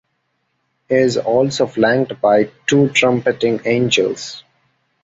He is also flanked by two trumpeting angels.